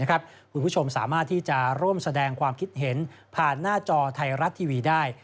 คุณผู้ชมสามารถที่จะร่วมแสดงความคิดเห็นผ่านหน้าจอไทยรัฐทีวีได้